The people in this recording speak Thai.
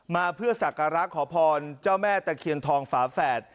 มาเพื่อสักการะขอพรเจ้าแม่ตะเคียนทองฝาแฝด